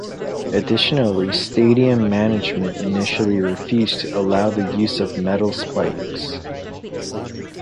Additionally, stadium management initially refused to allow the use of metal spikes.